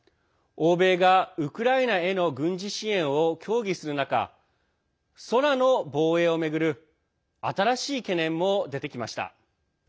欧米がウクライナへの軍事支援を協議する中空の防衛を巡る新しい懸念も出てきました。